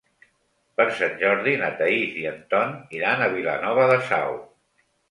Per Sant Jordi na Thaís i en Ton iran a Vilanova de Sau.